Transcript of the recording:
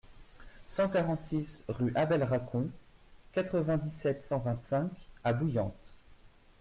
cent quarante-six rue Abel Racon, quatre-vingt-dix-sept, cent vingt-cinq à Bouillante